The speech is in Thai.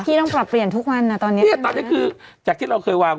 ต้องปรับเปลี่ยนทุกวันอ่ะตอนเนี้ยพี่ตอนนี้คือจากที่เราเคยวาง